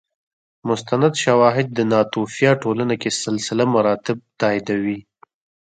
مستند شواهد د ناتوفیا ټولنه کې سلسله مراتب تاییدوي